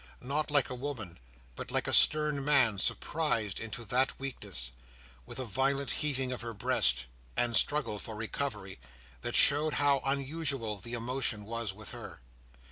Not like a woman, but like a stern man surprised into that weakness; with a violent heaving of her breast, and struggle for recovery, that showed how unusual the emotion was with her.